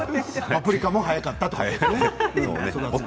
「パプリカ」も早かった。